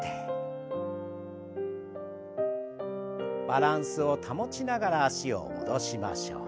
バランスを保ちながら脚を戻しましょう。